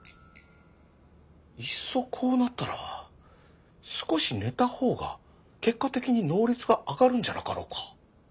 いっそこうなったら少し寝た方が結果的に能率が上がるんじゃなかろうか。